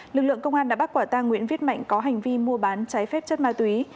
lực lượng công an đã bắt quả tang nguyễn viết mạnh có hành vi mua bán trái phép chất ma túy